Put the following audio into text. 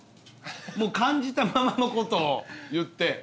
もう感じたままのことを言って。